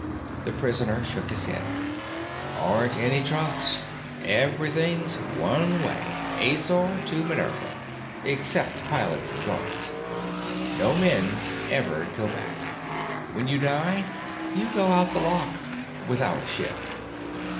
The prisoner shook his head. "Aren't any trunks. Everything's one way—Azor to 'Minerva'—except pilots and guards. No men ever go back. When you die, you go out the lock—without a ship.